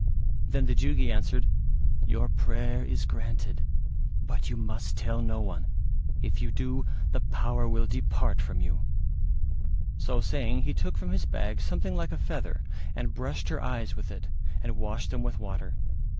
Then the Jugi answered, "Your prayer is granted, but you must tell no one; if you do, the power will depart from you." So saying he took from his bag something like a feather and brushed her eyes with it and washed them with water.